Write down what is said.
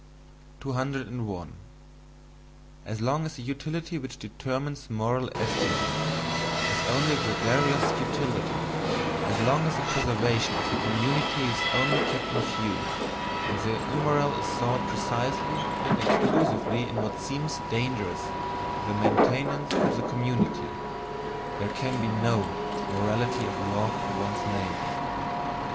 201. As long as the utility which determines moral estimates is only gregarious utility, as long as the preservation of the community is only kept in view, and the immoral is sought precisely and exclusively in what seems dangerous to the maintenance of the community, there can be no "morality of love to one's neighbour."